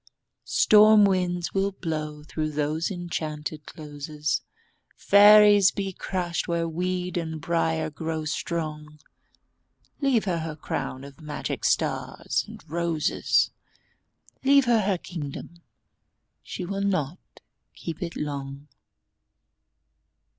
Storm winds will blow through those enchanted closes, Fairies be crushed where weed and briar grow strong ... Leave her her crown of magic stars and roses, Leave her her kingdom—she will not keep it long!